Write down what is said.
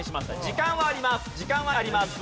時間はあります。